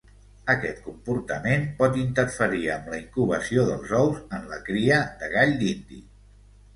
Aquest comportament pot interferir amb la incubació dels ous en la cria de gall d'indi.